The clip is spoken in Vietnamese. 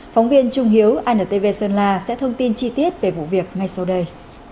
phóng viên trung hiếu antv sơn la sẽ thông tin chi tiết về vụ việc ngay sau đây